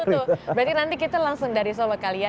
betul berarti nanti kita langsung dari solo kali ya